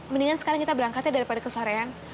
mendingan sekarang kita berangkatnya daripada ke sorean